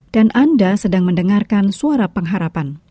dan anda sedang mendengarkan suara pengharapan